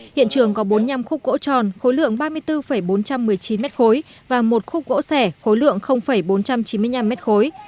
hiện trường có bốn mươi năm khúc gỗ tròn khối lượng ba mươi bốn bốn trăm một mươi chín mét khối và một khúc gỗ sẻ khối lượng bốn trăm chín mươi năm mét khối